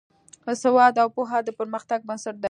سواد او پوهه د پرمختګ بنسټ دی.